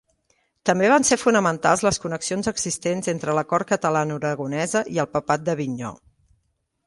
També van ser fonamentals les connexions existents entre la cort catalanoaragonesa i el papat d’Avinyó.